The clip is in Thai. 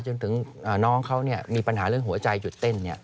จนถึงน้องเขามีปัญหาเรื่องหัวใจหยุดเต้น